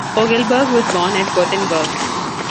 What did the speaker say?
Fogelberg was born at Gothenburg.